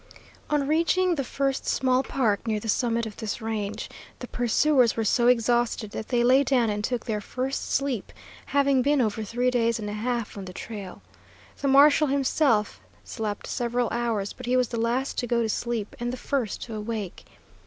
On reaching the first small park near the summit of this range, the pursuers were so exhausted that they lay down and took their first sleep, having been over three days and a half on the trail. The marshal himself slept several hours, but he was the last to go to sleep and the first to awake.